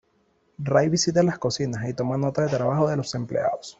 Ray visita las cocinas y toma nota de trabajo de los empleados.